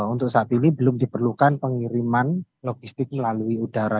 untuk saat ini belum diperlukan pengiriman logistik melalui udara